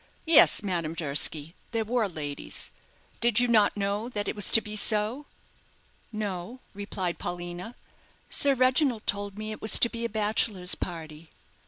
"Yes, Madame Durski, there were ladies. Did you not know that it was to be so?" "No," replied Paulina. "Sir Reginald told me it was to be a bachelors' party."